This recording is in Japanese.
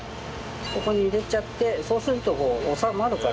ここに入れちゃってそうするとこう収まるから。